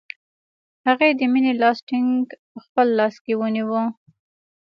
هغې د مینې لاس ټینګ په خپل لاس کې ونیوه